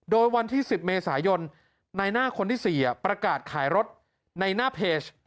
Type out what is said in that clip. โดยวันที่๑๐เมษายนในหน้าคนที่๔ประกาศขายรถในหน้าเพจ